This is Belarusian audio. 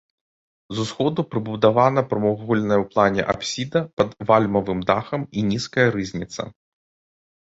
З усходу прыбудавана прамавугольная ў плане апсіда пад вальмавым дахам і нізкая рызніца.